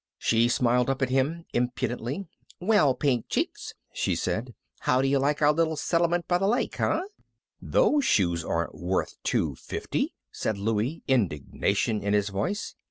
She smiled up at him, impudently. "Well, Pink Cheeks," she said, "how do you like our little settlement by the lake, huh?" "These shoes aren't worth two fifty," said Louie, indignation in his voice.